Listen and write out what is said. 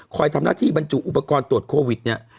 ทำหน้าที่บรรจุอุปกรณ์ตรวจโควิดเนี่ย